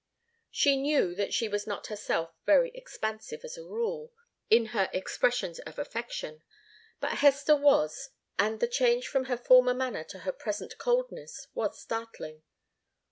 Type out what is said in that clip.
She knew that she was not herself very expansive, as a rule, in her expressions of affection. But Hester was, and the change from her former manner to her present coldness was startling.